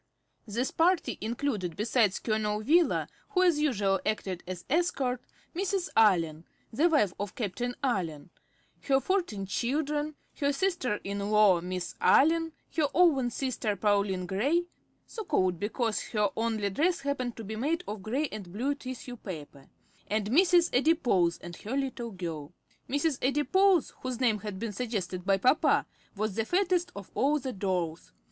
This party included, besides Colonel Wheeler, who as usual acted as escort, Mrs. Allen, the wife of Captain Allen, her fourteen children, her sister in law Miss Allen, her own sister Pauline Gray, so called because her only dress happened to be made of gray and blue tissue paper, and Mrs. Adipose and her little girl. Mrs. Adipose, whose name had been suggested by papa, was the fattest of all the dolls.